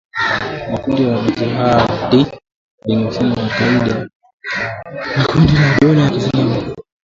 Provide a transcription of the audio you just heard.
makundi ya wanajihadi yenye uhusiano na al-Qaeda na kundi la dola ya kiislamu